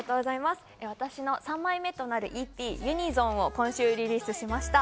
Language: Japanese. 私の３枚目となるＥＰ『ＵＮＩＳＯＮ』を今週リリースしました。